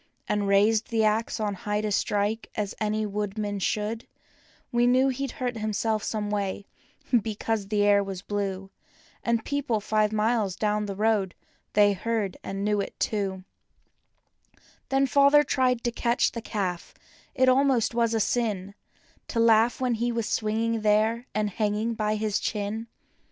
And raised the ax on high to strike, any woodman should, We knew he'd hurt himself because the air was blue And people five miles down the heard and knew it, too* Then father tried to catch the almost was a sin To laugh when he was swinging there, and hanging by his chin.